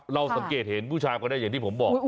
เราสังเกตเห็นผู้ชายคนนี้อย่างที่ผมบอก